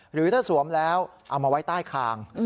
หรือถ้าสวมแล้วเอามาไว้ใต้คาง